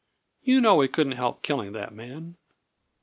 "You know he couldn't help killing that man."